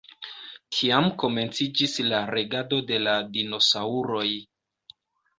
Tiam komenciĝis la regado de la dinosaŭroj.